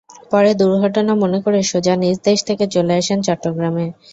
পরে দুর্ঘটনা মনে করে সোজা নিজ দেশ থেকে চলে আসেন চট্টগ্রামে।